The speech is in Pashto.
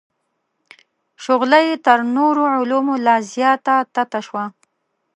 شغله یې تر نورو علومو لا زیاته تته شوه.